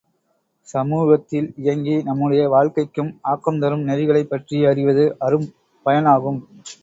சமூகத்தில் இயங்கி நம்முடைய வாழ்க்கைக்கும் ஆக்கம் தரும் நெறிகளைப் பற்றி அறிவது அரும் பயன் ஆகும்.